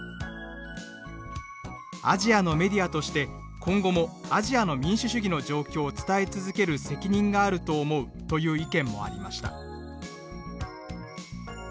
「アジアのメディアとして今後もアジアの民主主義の状況を伝え続ける責任があると思う」という意見もありました。